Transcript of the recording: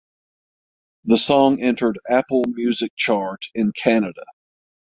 The song entered Apple Music chart in Canada.